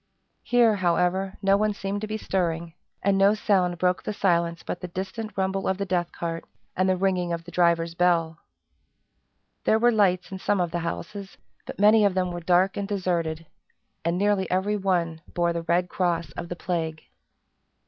Here, however, no one seemed to be stirring; and no sound broke the silence but the distant rumble of the death cart, and the ringing of the driver's bell. There were lights in some of the houses, but many of them were dark and deserted, and nearly every one bore the red cross of the plague.